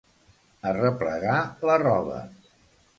Arreplegar la roba.